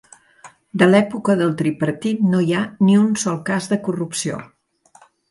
De l’època del tripartit no hi ha ni un sol cas de corrupció.